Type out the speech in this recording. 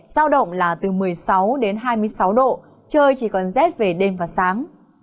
giao động là từ một mươi sáu đến hai mươi sáu độ trời chỉ còn rét về đêm và sáng